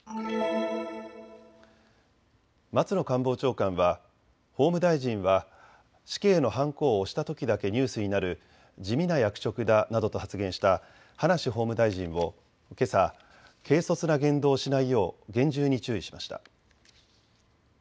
松野官房長官は法務大臣は死刑のはんこを押したときだけニュースになる地味な役職だなどと発言した葉梨法務大臣をけさ、軽率な言動をしないよう厳重に注意しました。